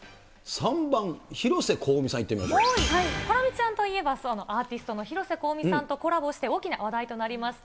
３番、ハラミちゃんといえば、アーティストの広瀬香美さんとコラボして大きな話題となりました。